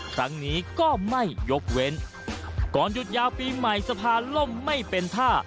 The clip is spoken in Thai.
ครั้งนี้ก็ไม่ยกเว้นก่อนหยุดยาวปีใหม่สะพานล่มไม่เป็นท่า